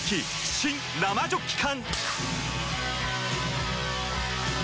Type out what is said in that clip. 新・生ジョッキ缶！